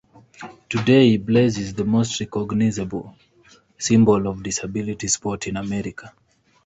Today, Blaze is the most recognizable symbol of disability sport in America.